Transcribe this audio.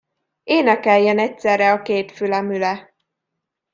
Énekeljen egyszerre a két fülemüle!